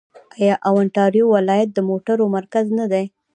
آیا اونټاریو ولایت د موټرو مرکز نه دی؟